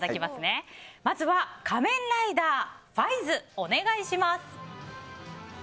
まずは「仮面ライダー５５５」お願いします。